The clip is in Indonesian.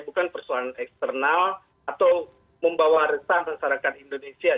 bukan persoalan eksternal atau membawa resah masyarakat indonesia